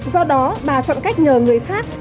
do đó bà chọn cách nhờ người khác